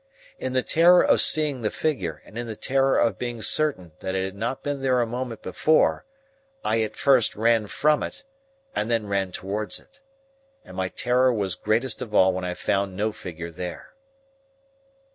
In the terror of seeing the figure, and in the terror of being certain that it had not been there a moment before, I at first ran from it, and then ran towards it. And my terror was greatest of all when I found no figure there.